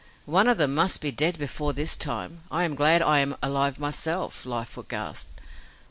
One of them must be dead before this time. I am glad I am alive myself," Lightfoot gasped.